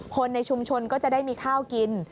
คนในชุมชนก็จะได้มีข้าวกิน